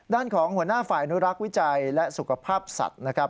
ด้านของหัวหน้าฝ่ายอนุรักษ์วิจัยและสุขภาพสัตว์นะครับ